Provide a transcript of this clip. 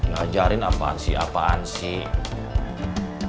ngajarin apaan si apaan sih